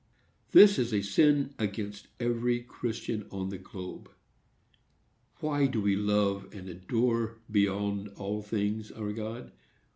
This is a sin against every Christian on the globe. Why do we love and adore, beyond all things, our God?